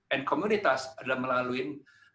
dan komunitas adalah melalui media